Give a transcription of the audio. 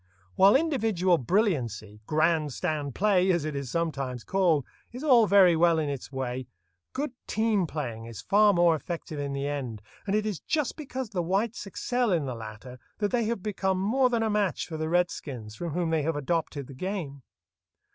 While individual brilliancy—"grand stand play," as it is sometimes called—is all very well in its way, good team playing is far more effective in the end, and it is just because the whites excel in the latter that they have become more than a match for the redskins, from whom they have adopted the game.